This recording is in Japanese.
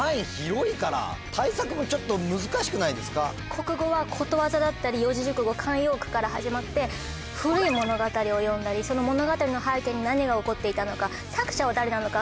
国語はことわざだったり四字熟語慣用句から始まって古い物語を読んだりその物語の背景に何が起こっていたのか作者は誰なのか